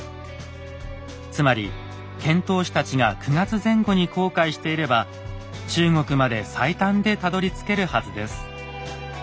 つまり遣唐使たちが９月前後に航海していれば中国まで最短でたどりつけるはずです。